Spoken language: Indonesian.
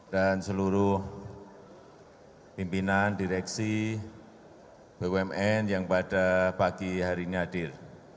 dan seluruh pimpinan direksi bumn yang pada pagi hari ini hadir